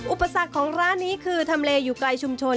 อุปสรรคของร้านนี้คือทำเลอยู่ไกลชุมชน